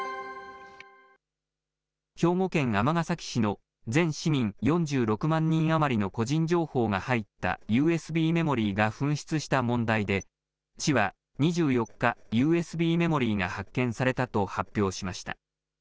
兵庫県尼崎市の、全市民４６万人余りの個人情報が入ったＵＳＢメモリーが紛失した問題で、市は２４日、ＵＳＢメモリーが発見されたと発表しました。